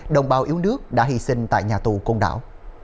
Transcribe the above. đồng bào yếu nước đã hy sinh tại nhà tù côn đảo